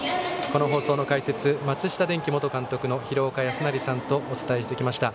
この放送の解説は松下電器元監督廣岡資生さんとお伝えしてきました。